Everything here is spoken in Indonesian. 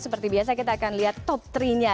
seperti biasa kita akan lihat top tiga nya